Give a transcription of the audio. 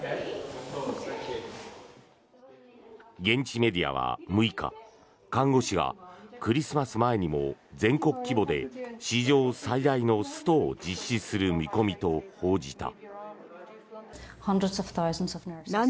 現地メディアは６日看護師がクリスマス前にも全国規模で史上最大のストを実施する見込みと報じた。